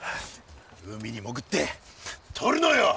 海に潜ってとるのよ！